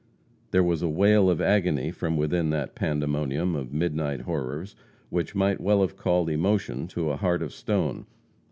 There was a wail of agony from within that pandemonium of midnight horrors which might well have called emotion to a heart of stone.